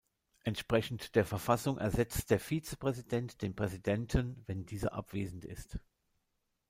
Entsprechend der Verfassung ersetzt der Vizepräsident den Präsidenten, wenn dieser abwesend ist.